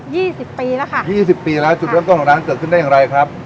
สิบปีแล้วค่ะยี่สิบปีแล้วจุดเริ่มต้นของร้านเกิดขึ้นได้อย่างไรครับ